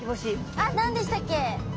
あっ何でしたっけ。